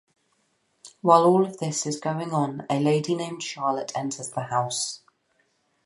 While all of this is going on a lady named Charlotte enters the house.